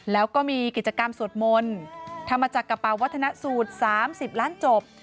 แล้วก็มีกิจกรรมสวดมนต์ทำมาจากกระเป๋าวัฒนสูตร๓๐ล้านจบ